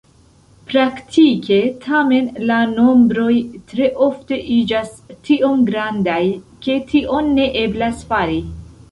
Praktike, tamen, la nombroj tre ofte iĝas tiom grandaj, ke tion ne eblas fari.